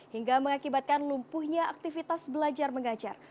hingga mengakibatkan lumpuhnya aktivitas belajar mengajar